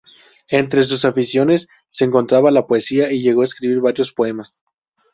Entre sus aficiones se encontraba la poesía y llegó a escribir varios poemas.